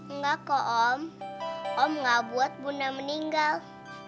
enggak kok om om enggak buat bunda meninggal